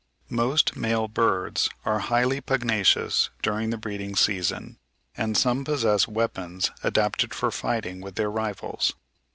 Most male birds are highly pugnacious during the breeding season, and some possess weapons adapted for fighting with their rivals.